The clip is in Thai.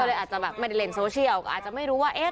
เลยอาจจะแบบไม่ได้เล่นโซเชียลอาจจะไม่รู้ว่าเอ๊ะ